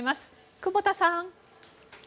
久保田さん。